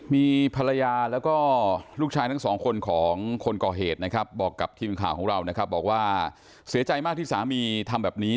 มีภรรยาแล้วก็ลูกชายทั้งสองคนของคนก่อเหตุนะครับบอกกับทีมข่าวของเรานะครับบอกว่าเสียใจมากที่สามีทำแบบนี้